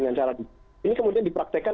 dengan cara dicor ini kemudian dipraktekan